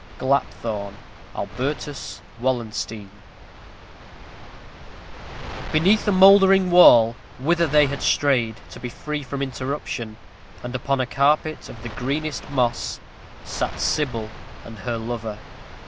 GLAPTHORNE: Albertus Wallenstein. Beneath a moldering wall, whither they had strayed, to be free from interruption, and upon a carpet of the greenest moss, sat Sybil and her lover.